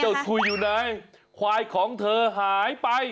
ชุยอยู่ไหนควายของเธอหายไป